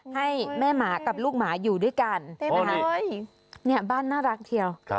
ให้แม่หมากับลูกหมาอยู่ด้วยกันเนี่ยบ้านน่ารักเทียว